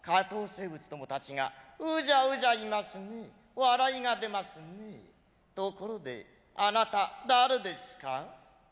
生物ども達がウジャウジャいますね笑いが出ますねところであなた誰ですか？